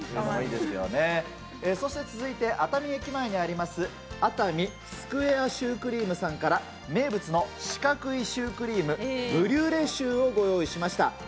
そして続いて、熱海駅前にあります、熱海スクエアシュークリームさんから名物の四角いシュークリーム、ブリュレシューをご用意しました。